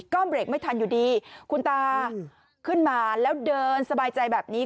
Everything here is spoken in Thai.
ก็เบรกไม่ทันอยู่ดีคุณตาขึ้นมาแล้วเดินสบายใจแบบนี้